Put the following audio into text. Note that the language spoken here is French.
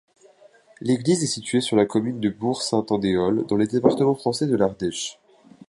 L'église est située sur la commune de Bourg-Saint-Andéol, dans le département français de l'Ardèche.